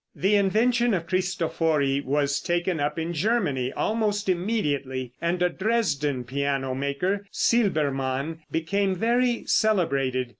] The invention of Cristofori was taken up in Germany almost immediately, and a Dresden piano maker, Silbermann, became very celebrated.